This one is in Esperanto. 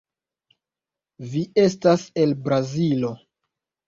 Vi estas el Brazilo.